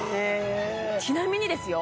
ちなみにですよ